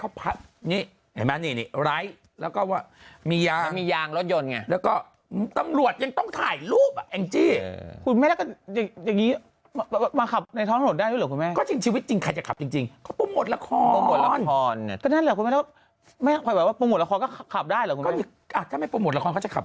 ก็มีคำว่าย่างกรื่องตั้งครอบกันกองยี่ห่างอายมีหัวน้อยคำ